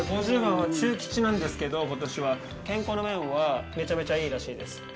５０番は中吉なんですけど、ことしは、健康の面はめちゃめちゃいいらしいです。